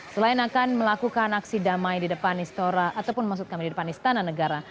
selain akan melakukan aksi damai di depan istora ataupun maksud kami di depan istana negara